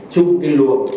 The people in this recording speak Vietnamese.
chung cái luận